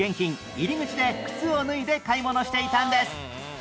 入り口で靴を脱いで買い物していたんです